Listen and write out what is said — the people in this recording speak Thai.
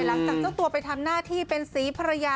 หลังจากเจ้าตัวไปทำหน้าที่เป็นศรีภรรยา